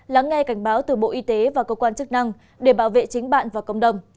lắng nghe cảnh báo từ bộ y tế và cơ quan chức năng để bảo vệ chính bạn và cộng đồng